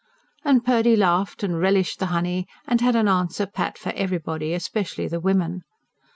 And Purdy laughed, and relished the honey, and had an answer pat for everybody especially the women.